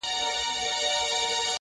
له ناكامه يې ويل پرې تحسينونه .!